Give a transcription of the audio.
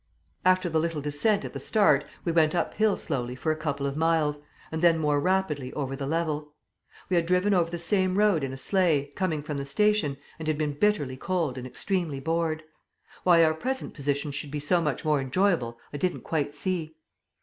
After the little descent at the start, we went uphill slowly for a couple of miles, and then more rapidly over the level. We had driven over the same road in a sleigh, coming from the station, and had been bitterly cold and extremely bored. Why our present position should be so much more enjoyable I didn't quite see.